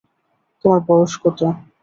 তোমার বয়স কত।